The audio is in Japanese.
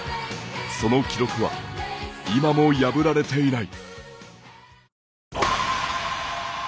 その記録は今も破られていない。